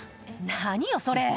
何よそれ。